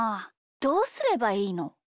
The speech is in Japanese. どうすればいいの？